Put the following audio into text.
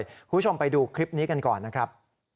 คุณผู้ชมไปดูคลิปนี้กันก่อนนะครับ